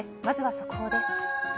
まずは速報です。